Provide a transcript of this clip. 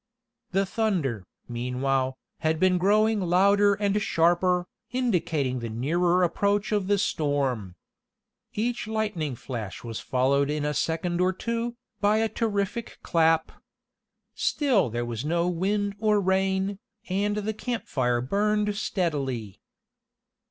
The thunder, meanwhile, had been growing louder and sharper, indicating the nearer approach of the storm. Each lightning flash was followed in a second or two, by a terrific clap. Still there was no wind nor rain, and the campfire burned steadily.